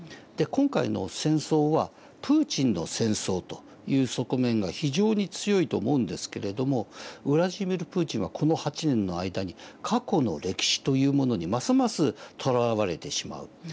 で今回の戦争はプーチンの戦争という側面が非常に強いと思うんですけれどもウラジーミル・プーチンはこの８年の間に過去の歴史というものにますますとらわれてしまう。